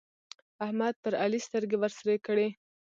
احمد پر علي سترګې ورسرې کړې.